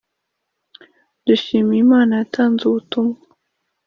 dushimiye imana yatanze ubutumwa